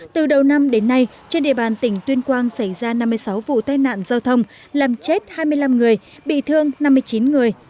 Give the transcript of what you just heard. từ đầu năm đến nay trên địa bàn tỉnh tuyên quang xảy ra năm mươi sáu vụ tai nạn giao thông làm chết hai mươi năm người bị thương năm mươi chín người